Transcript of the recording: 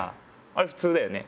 あれ普通だよね。